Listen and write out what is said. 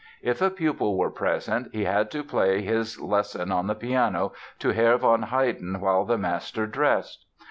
If a pupil were present, he had to play his lesson on the piano to Herr von Haydn, while the master dressed.